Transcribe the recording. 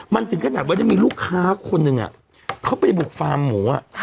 มันถึงขนาดมีลูกค้าคนหนึ่งอ่ะเข้าไปมุกค้าหมู